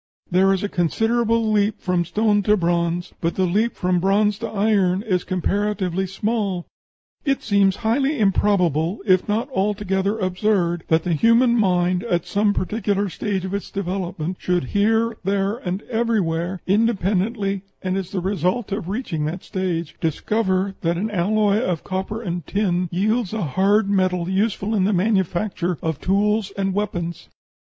There is a considerable leap from stone to bronze, but the leap from bronze to iron is comparatively small.... It seems highly improbable, if not altogether absurd, that the human mind, at some particular stage of its development, should here, there, and everywhere independently, and as the result of reaching that stage discover that an alloy of copper and tin yields a hard metal useful in the manufacture of tools and weapons.